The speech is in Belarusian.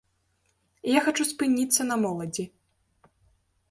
Я хачу спыніцца на моладзі.